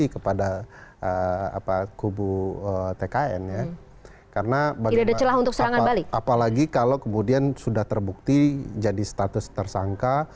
karena apalagi kalau kemudian sudah terbukti jadi status tersangka